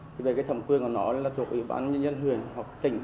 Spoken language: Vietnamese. thì cái thẩm quyền của nó là thuộc ủy ban nhân dân huyền hoặc tỉnh